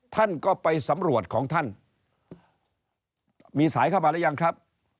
ท่านก็ไปสำรวจของท่านมีสายเข้ามาหรือยังครับ